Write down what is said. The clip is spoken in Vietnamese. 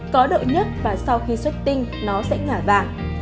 có độ nhất và sau khi xuất tinh nó sẽ ngả vào